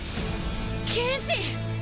剣心！